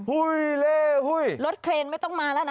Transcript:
หุ้ยเล่หุ้ยรถเครนไม่ต้องมาแล้วนะ